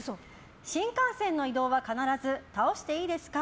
新幹線の移動は必ず倒していいですか？